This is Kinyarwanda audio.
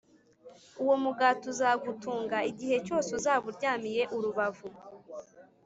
Uwo mugati uzagutunga igihe cyose uzaba uryamiye urubavu